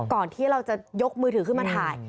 ก่อนที่เราจะยกมือถือขึ้นมาถ่าย